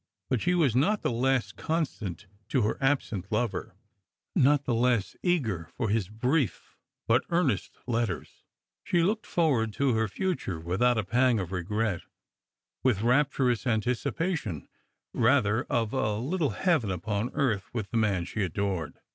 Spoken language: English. But she was not the less constant to her absent lover ; not the less eager for his brief but earnest letters. She looked forward to her future without a pang of regret — with rapturous anticipation, rather, of a little heaven upon earth with the man she adored.